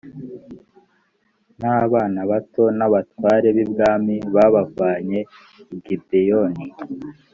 n’abana bato n’abatware b’ibwami babavanye i gibeyoni